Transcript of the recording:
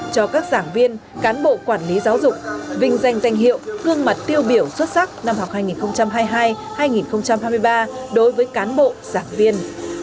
cho các giảng viên cán bộ quản lý giáo dục vinh danh danh hiệu gương mặt tiêu biểu xuất sắc năm học hai nghìn hai mươi hai hai nghìn hai mươi ba đối với cán bộ giảng viên